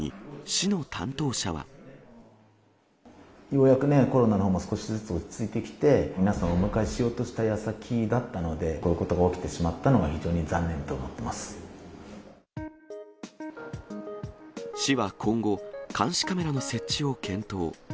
ようやく、コロナのほうも落ち着いてきて、皆さんをお迎えしようとした矢先だったので、こういうことが起きてしまったのは、市は今後、監視カメラの設置を検討。